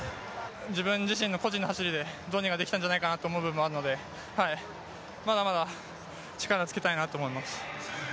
自分自身の個人の走りでどうにかできたんじゃないかというのはあるのでまだまだ力をつけたいなと思います。